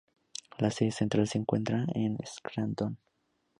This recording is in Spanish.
La sede central se encuentra en Scranton.